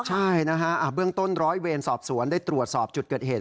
ใช่นะฮะเบื้องต้นร้อยเวรสอบสวนได้ตรวจสอบจุดเกิดเหตุ